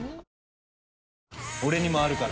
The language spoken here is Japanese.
「俺にもあるから。